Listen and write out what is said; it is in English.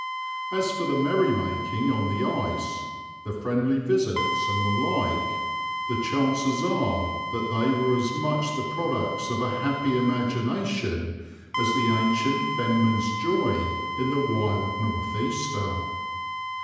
As for the merrymaking on the ice, the friendly visits and the like, the chances are that they were as much the products of a happy imagination as the ancient Fenman's joy in the wild north easter.